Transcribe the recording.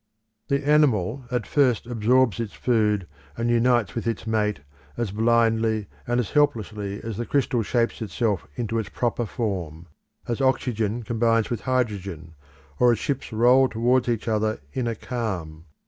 The animal at first absorbs its food and unites with its mate as blindly and as helplessly as the crystal shapes itself into its proper form, as oxygen combines with hydrogen, or as ships roll towards each other in a calm.